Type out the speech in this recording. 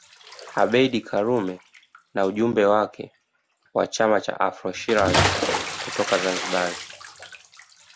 Abeid Karume na ujumbe wake wa chama cha Afro Shirazi kutoka Zanzibar